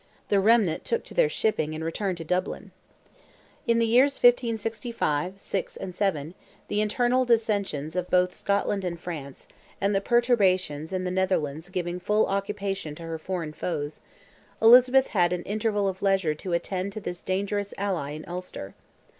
The remnant took to their shipping and returned to Dublin. In the years 1565, '6 and '7, the internal dissensions of both Scotland and France, and the perturbations in the Netherlands giving full occupation to her foreign foes, Elizabeth had an interval of leisure to attend to this dangerous ally in Ulster.